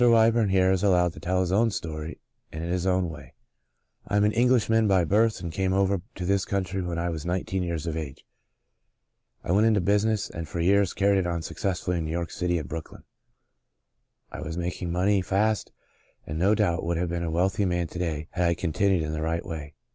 Wyburn here is allowed to tell his own story and in his own w^ay :" I am an Englishman by birth and came over to this country when I was nineteen years of age. I went into business and for years carried it on successfully in New York City and Brooklyn. I was making money fast and no doubt would have been a wealthy man to day had I continued in the right way.